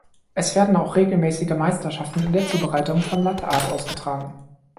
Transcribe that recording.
Es werden auch regelmäßige Meisterschaften in der Zubereitung von Latte Art ausgetragen.